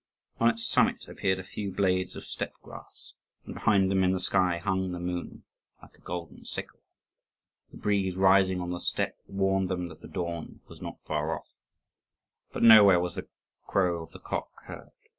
On its summit appeared a few blades of steppe grass; and behind them, in the sky, hung the moon, like a golden sickle. The breeze rising on the steppe warned them that the dawn was not far off. But nowhere was the crow of the cock heard.